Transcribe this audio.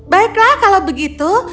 baiklah kalau begitu